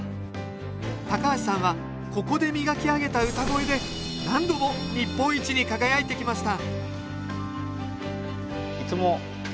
橋さんはここで磨き上げた唄声で何度も日本一に輝いてきました